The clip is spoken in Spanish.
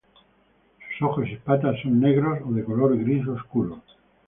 Sus ojos y patas son negros o de color gris oscuro.